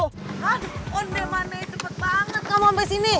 aduh ondeh maneh cepet banget gak mau sampai sini